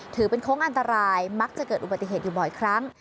ถือเป็นโค้งอันตรายมักจะเกิดอุบัติเหตุอยู่บ่อยครั้ง